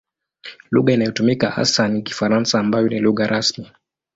Lugha inayotumika hasa ni Kifaransa ambayo ni lugha rasmi.